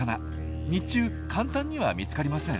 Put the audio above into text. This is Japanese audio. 日中簡単には見つかりません。